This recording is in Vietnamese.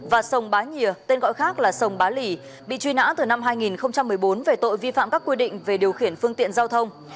và sông bá nhìa tên gọi khác là sông bá lì bị truy nã từ năm hai nghìn một mươi bốn về tội vi phạm các quy định về điều khiển phương tiện giao thông